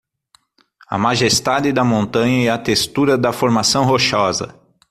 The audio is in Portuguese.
A majestade da montanha e a textura da formação rochosa